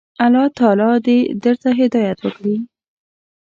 الله تعالی دي درته هدايت وکړي.